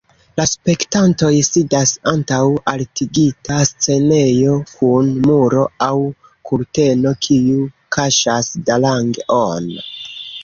La spektantoj sidas antaŭ altigita scenejo kun muro aŭ kurteno, kiu kaŝas dalang-on.